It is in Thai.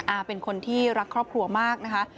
อาเป็นคนที่รักครอบครัวมากนะคะ